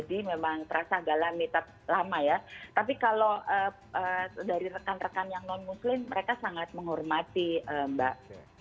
tapi kalau dari rekan rekan yang non muslim mereka sangat menghormati mbak